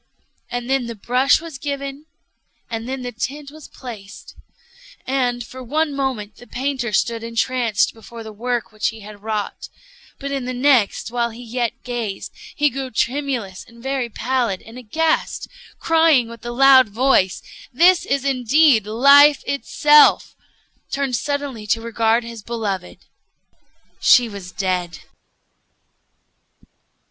And then the brush was given, and then the tint was placed; and, for one moment, the painter stood entranced before the work which he had wrought; but in the next, while he yet gazed, he grew tremulous and very pallid, and aghast, and crying with a loud voice, 'This is indeed Life itself!' turned suddenly to regard his beloved:—She was dead!"